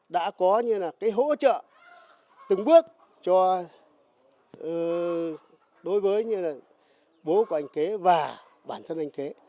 đã có như là cái hỗ trợ từng bước cho đối với như là bố của anh kế và bản thân anh kế